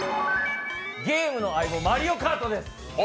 ゲームの相棒「マリオカート」です。